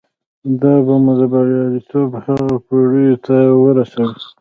دا به مو د برياليتوب هغو پوړيو ته ورسوي.